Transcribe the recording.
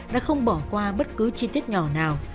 đã không bỏ qua bất cứ chi tiết nhỏ nào